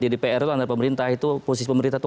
di dpr antara pemerintah itu posisi pemerintah itu